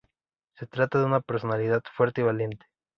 Se trata de una personalidad fuerte y valiente.